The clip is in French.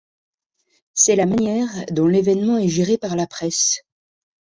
C'est la manière dont l'événement est géré par la presse.